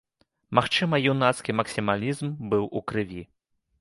Магчыма, юнацкі максімалізм быў у крыві.